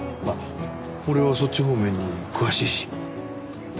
まあ俺はそっち方面に詳しいし。